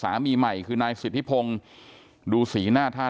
นางนาคะนี่คือยายน้องจีน่าคุณยายถ้าแท้เลย